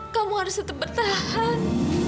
kamu harus tetap bertahan